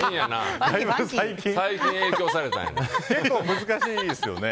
結構難しいですよね。